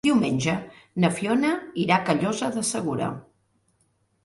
Diumenge na Fiona irà a Callosa de Segura.